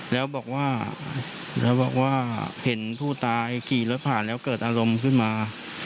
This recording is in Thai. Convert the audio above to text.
แล้วบอกว่าแล้วบอกว่าเห็นผู้ตายขี่รถผ่านแล้วเกิดอารมณ์ขึ้นมา